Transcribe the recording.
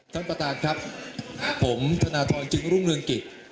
ท่านประธานครับผมธนทรจึงรุ่งเรืองกิจ